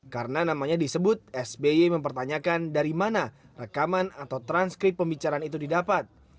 karena namanya disebut sbi mempertanyakan dari mana rekaman atau transkrip pembicaraan itu didapat